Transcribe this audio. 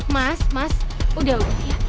mas mas udah udah ya